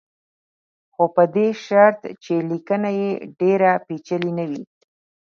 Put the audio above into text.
خو په دې شرط چې لیکنه یې ډېره پېچلې نه وي.